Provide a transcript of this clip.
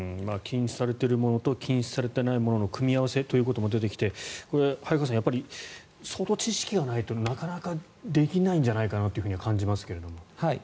禁止されているものと禁止されてないものの組み合わせということも出てきて早川さん、相当知識がないとなかなかできないんじゃないかと感じますけれども。